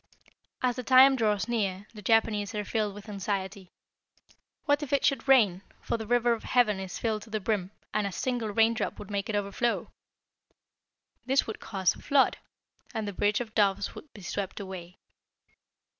As the time draws near the Japanese are filled with anxiety. What if it should rain, for the River of Heaven is filled to the brim, and a single raindrop would make it overflow! This would cause a flood, and the bridge of doves would be swept away.